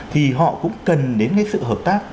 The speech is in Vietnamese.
thì họ cũng cần đến cái sự hợp tác